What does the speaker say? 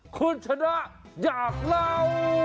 คุณชนะอยากเล่า